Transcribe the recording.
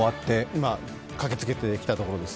今、駆けつけてきたところです。